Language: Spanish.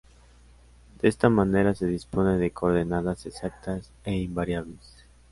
De esta manera se dispone de coordenadas exactas e invariables.